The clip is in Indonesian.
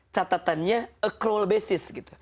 catatannya accrual basis gitu